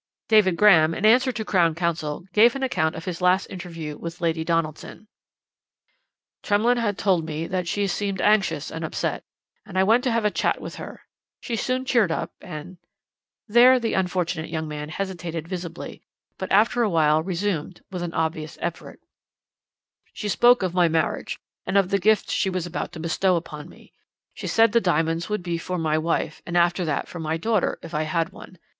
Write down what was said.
"David Graham, in answer to Crown Counsel, gave an account of his last interview with Lady Donaldson. "'Tremlett had told me that she seemed anxious and upset, and I went to have a chat with her; she soon cheered up and....' "There the unfortunate young man hesitated visibly, but after a while resumed with an obvious effort. "'She spoke of my marriage, and of the gift she was about to bestow upon me. She said the diamonds would be for my wife, and after that for my daughter, if I had one.